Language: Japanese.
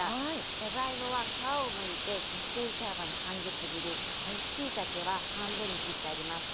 じゃがいもは皮をむいて１ｃｍ幅の半月切りしいたけは半分に切ってあります。